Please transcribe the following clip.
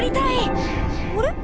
あれ？